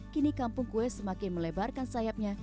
kini kampung kue semakin melebarkan sayapnya